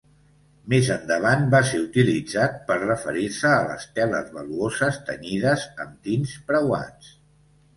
Més endavant va ser utilitzat per referir-se a les teles valuoses tenyides amb tints preuats.